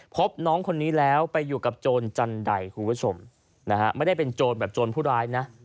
พบน้องคนนี้แล้วไปอยู่กับโจรจันใดคุณผู้ชมนะฮะไม่ได้เป็นโจรแบบโจรผู้ร้ายนะ